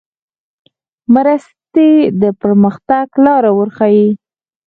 مرستې د پرمختګ لار ورښیي.